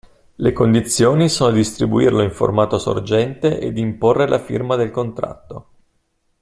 Le condizioni sono di distribuirlo in formato sorgente e di imporre la firma del contratto.